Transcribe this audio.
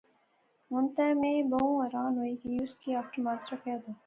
ہن تے میں بہوں حیران ہوئی گیس کہ آخر ماجرا کہہ دا؟